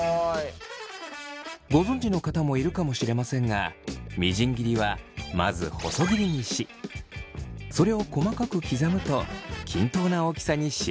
ご存じの方もいるかもしれませんがみじん切りはまず細切りにしそれを細かく刻むと均等な大きさに仕上がりやすいそうです。